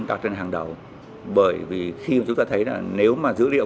đặt trên hàng đầu bởi vì khi chúng ta thấy là nếu mà dữ liệu